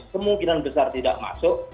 kemungkinan besar tidak masuk